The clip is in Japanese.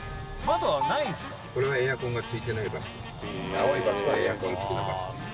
青いバスはエアコン付きのバスですね。